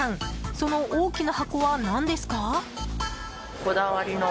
その大きな箱は何ですか？